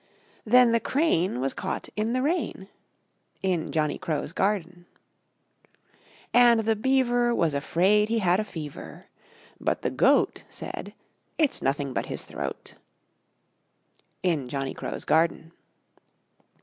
Then the Crane Was caught in the Rain In Johnny Crow's Garden. And the Beaver Was afraid he had a Fever But the Goat Said: "It's nothing but his Throat!" In Johnny Crow's Garden.